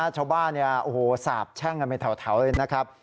ชาวบ้านสาบแช่งกันเป็นแถวเลยนะครับ